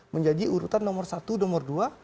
menjadi urutan nomor satu nomor dua